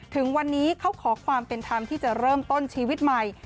ถึงวันนี้เขาขอความเป็นธรรมที่จะเริ่มต้นชีวิตใหม่